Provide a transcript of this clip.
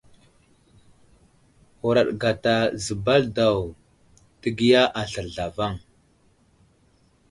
Huraɗ gata zəbal daw ,təgiya aslər zlavaŋ.